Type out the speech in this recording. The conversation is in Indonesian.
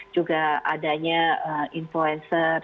juga adanya influencer